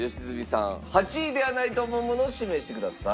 ８位ではないと思うものを指名してください。